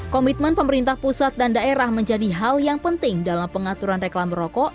komitmen pemerintah pusat dan daerah menjadi hal yang penting dalam pengaturan reklam merokok